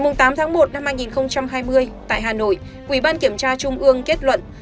ngày tám tháng một năm hai nghìn hai mươi tại hà nội ủy ban kiểm tra trung ương kết luận